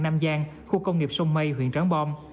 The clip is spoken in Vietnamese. nam giang khu công nghiệp sông mây huyện tráng bom